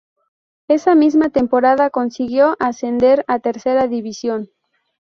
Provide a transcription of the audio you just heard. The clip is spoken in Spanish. Esa misma temporada consiguió ascender a Tercera División.